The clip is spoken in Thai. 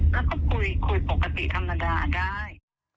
แล้วก็คุยคุยปกติธรรมดาได้